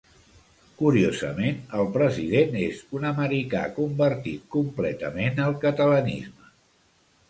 Curiosament el president és un americà convertit completament al catalanisme.